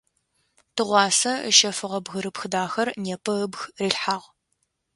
Тыгъуасэ ыщэфыгъэ бгырыпх дахэр непэ ыбг рилъхьагъ.